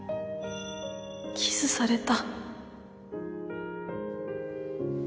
キスされた